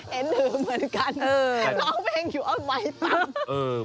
ทนเหรอเหมือนกันร้องเพลงอยู่ออกมากป้าหลิว